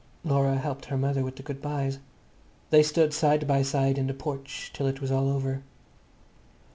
Laura helped her mother with the good byes. They stood side by side in the porch till it was all over.